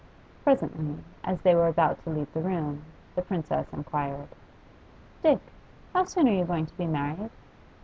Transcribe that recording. Presently, as they were about to leave the room, the Princess inquired: 'Dick, how soon are you going to be married?